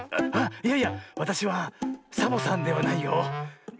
いやいやわたしはサボさんではないよ。